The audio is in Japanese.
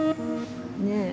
ねえ。